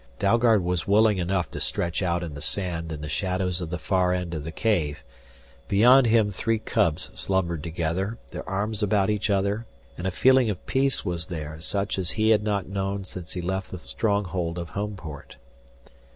Dalgard was willing enough to stretch out in the sand in the shadows of the far end of the cave. Beyond him three cubs slumbered together, their arms about each other, and a feeling of peace was there such as he had not known since he left the stronghold of Homeport.